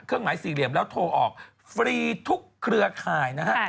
เครื่องหมายสี่เหลี่ยมแล้วโทรออกฟรีทุกเครือข่ายนะครับ